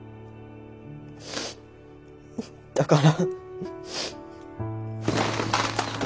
だから。